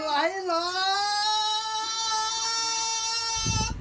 ไม่จะเอาอะไร